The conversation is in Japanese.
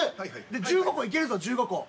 で１５個いけるぞ１５個。